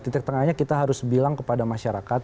titik tengahnya kita harus bilang kepada masyarakat